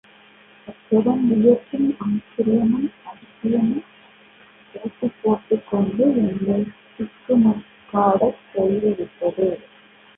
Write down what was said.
அத்துடன் வியப்பும் ஆச்சரியமும் அதிசயமும் போட்டிபோட்டுக் கொண்டு என்னைத்திக்கு முக்காடச் செய்து விட்டது.